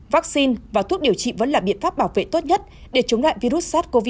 vaccine và thuốc điều trị vẫn là biện pháp bảo vệ tốt nhất để chống lại virus sars cov hai